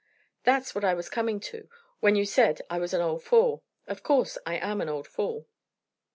"That's what I was coming to when you said I was an old fool. Of course I am an old fool."